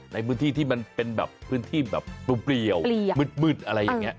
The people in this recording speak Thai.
ในพื้นที่ที่มันเป็นแบบพื้นที่แบบเปรียวมืดอะไรอย่างนี้